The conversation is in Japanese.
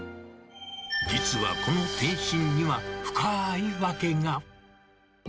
実はこの転身には、深い訳が。